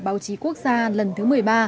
báo chí quốc gia lần thứ một mươi ba